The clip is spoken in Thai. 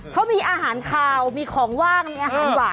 เขามีอาหารคาวมีของว่างมีอาหารหวาน